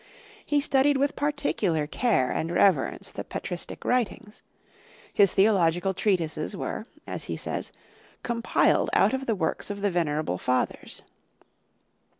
He studied with particular care and reverence the patristic writings; his theological treatises were, as he says, "compiled out of the works of the venerable Fathers."